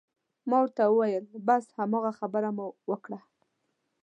ما ورته وویل: بس هماغه خبره مو وکړه.